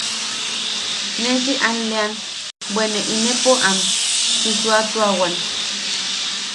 Ne si alleʼean bwe ne inepo am susuuatuawan.